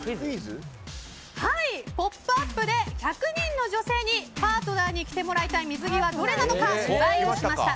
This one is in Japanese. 「ポップＵＰ！」で１００人の女性にパートナーにきてもらいたい水着はどれなのか取材しました。